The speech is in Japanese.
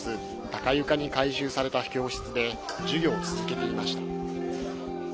高床に改修された教室で授業を続けていました。